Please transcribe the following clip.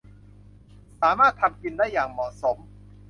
สามารถทำกินได้อย่างเหมาะสม